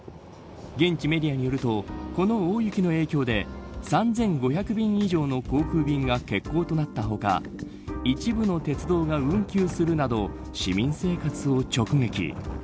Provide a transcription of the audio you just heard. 現地メディアによるとこの大雪の影響で３５００便以上の航空便が欠航となったほか一部の鉄道が運休するなど市民生活を直撃。